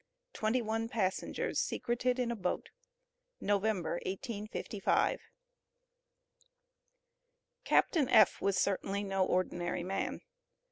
TWENTY ONE PASSENGERS SECRETED IN A BOAT. NOVEMBER, 1855. CAPTAIN F. was certainly no ordinary man.